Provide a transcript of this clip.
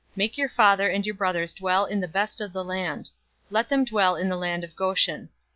Make your father and your brothers dwell in the best of the land. Let them dwell in the land of Goshen.